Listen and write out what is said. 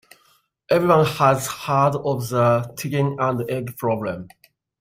Everyone has heard of the chicken and egg problem.